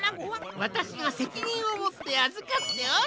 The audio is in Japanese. わたしがせきにんをもってあずかっておる。